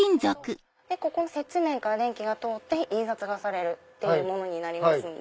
こことここの接地面から電気が通って印刷されるというものになります。